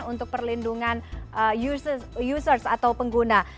untuk perlindungan users atau pengguna